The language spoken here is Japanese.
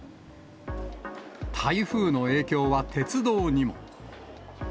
台風の影響は鉄道にも。